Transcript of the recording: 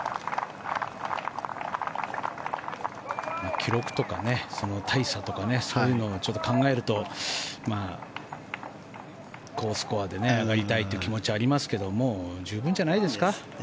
記録とか大差とかそういうのを考えると好スコアで上がりたい気持ちはありますけど十分じゃないですか。